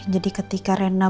jadi ketika rena